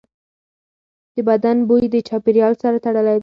د بدن بوی د چاپېریال سره تړلی دی.